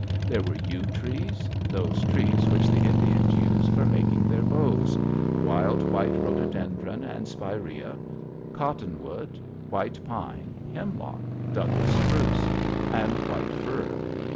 There were yew trees, those trees which the Indians use for making their bows, wild white rhododendron and spirea, cottonwood, white pine, hemlock, Douglas spruce, and white fir.